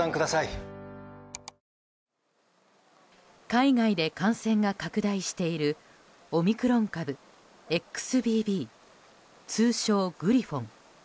海外で感染が拡大しているオミクロン株、ＸＢＢ通称、グリフォン。